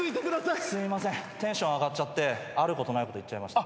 すいませんテンション上がっちゃってあることないこと言っちゃいました。